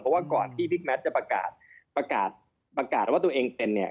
เพราะว่าก่อนที่บิ๊กแมทจะประกาศประกาศว่าตัวเองเป็นเนี่ย